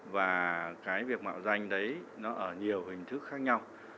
và cái việc mạo danh đấy nó ở nhiều hình thức khác nhau